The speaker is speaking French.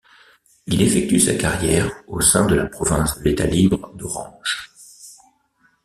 Il effectue sa carrière au sein de la province de l'État libre d'Orange.